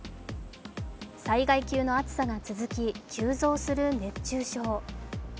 災害級の暑さが続き急増する熱中症。